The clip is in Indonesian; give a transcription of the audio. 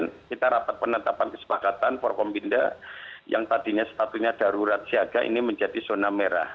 ini kemarin kita rapat penantapan kesepakatan porkom binda yang tadinya sepatunya darurat siaga ini menjadi zona merah